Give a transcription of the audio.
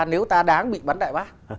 nếu ta đáng bị bắn đại bác